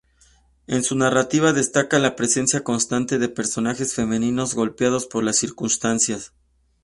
En su narrativa destaca la presencia constante de personajes femeninos golpeados por las circunstancias.